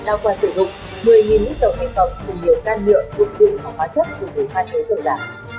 đang qua sử dụng một mươi lít dầu khí phẩm cùng nhiều can nhựa dụng cụm và hóa chất dùng để phá chế dầu giả